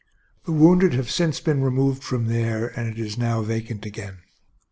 The wounded have since been removed from there, and it is now vacant again.